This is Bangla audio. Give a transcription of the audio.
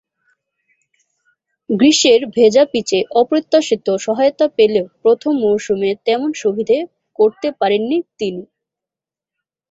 গ্রীষ্মের ভেজা পিচে অপ্রত্যাশিত সহায়তা পেলেও প্রথম মৌসুমে তেমন সুবিধে করতে পারেননি তিনি।